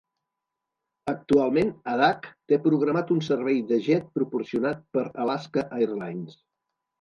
Actualment Adak té programat un servei de jet proporcionat per Alaska Airlines.